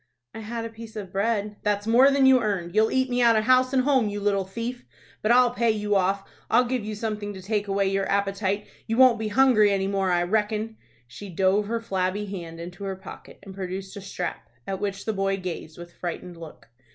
"I had a piece of bread." "That's more than you earned. You'll eat me out of house and home, you little thief! But I'll pay you off. I'll give you something to take away your appetite. You won't be hungry any more, I reckon." She dove her flabby hand into her pocket, and produced a strap, at which the boy gazed with frightened look.